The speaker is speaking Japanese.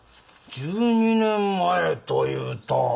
１２年前というと。